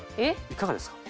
いかがですか？